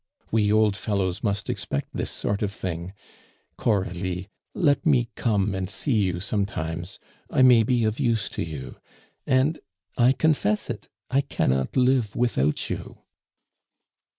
We old fellows must expect this sort of thing. Coralie, let me come and see you sometimes; I may be of use to you. And I confess it; I cannot live without you."